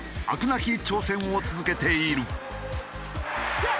なき挑戦を続けている。